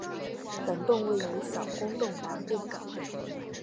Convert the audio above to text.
本洞位于小公洞南部。